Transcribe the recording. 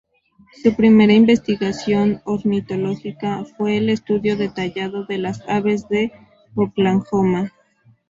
Su primera investigación ornitológica fue el estudio detallado de las aves de Oklahoma.